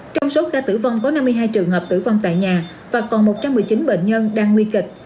trong số ca tử vong có năm mươi hai trường hợp tử vong tại nhà và còn một trăm một mươi chín bệnh nhân đang nguy kịch